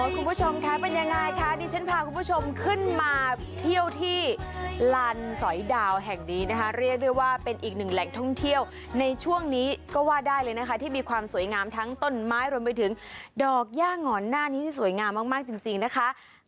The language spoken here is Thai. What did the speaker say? คุณผู้ชมคะเป็นยังไงคะดิฉันพาคุณผู้ชมขึ้นมาเที่ยวที่ลานสอยดาวแห่งนี้นะคะเรียกได้ว่าเป็นอีกหนึ่งแหล่งท่องเที่ยวในช่วงนี้ก็ว่าได้เลยนะคะที่มีความสวยงามทั้งต้นไม้รวมไปถึงดอกย่างอนหน้านี้ที่สวยงามมากจริงนะคะ